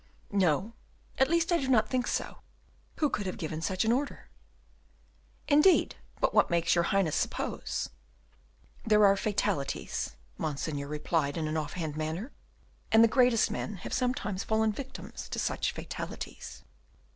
"No, at least I do not think so; who could have given such an order?" "Indeed, but what makes your Highness suppose?" "There are fatalities," Monseigneur replied, in an offhand manner; "and the greatest men have sometimes fallen victims to such fatalities."